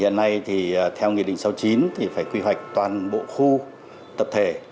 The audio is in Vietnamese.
hiện nay thì theo nghị định sáu mươi chín thì phải quy hoạch toàn bộ khu tập thể